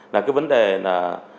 là cái vấn đề là